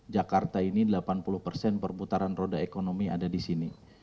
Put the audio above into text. jakarta ini delapan puluh persen perputaran roda ekonomi ada di sini